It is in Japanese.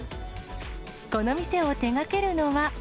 この店を手がけるのは。